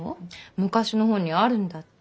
昔の本にあるんだって。